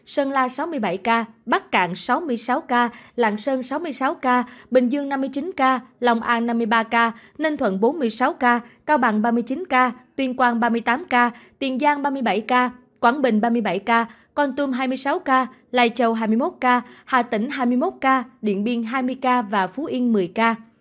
sơn la sáu mươi bảy ca bắc cạn sáu mươi sáu ca lạng sơn sáu mươi sáu ca bình dương năm mươi chín ca lòng an năm mươi ba ca ninh thuận bốn mươi sáu ca cao bằng ba mươi chín ca tuyên quang ba mươi tám ca tiền giang ba mươi bảy ca quảng bình ba mươi bảy ca con tum hai mươi sáu ca lài chầu hai mươi một ca hà tĩnh hai mươi một ca điện biên hai mươi ca phú yên một mươi ca